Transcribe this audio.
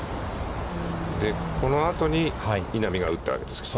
このあとに稲見が打ったわけですよね。